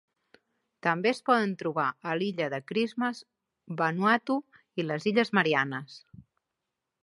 També es poden trobar a l'illa de Christmas, Vanuatu i les illes Mariannes.